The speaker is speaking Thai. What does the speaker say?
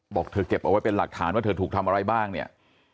บอกเธอเก็บเอาไว้เป็นหลักฐานว่าเธอถูกทำอะไรบ้างเนี่ย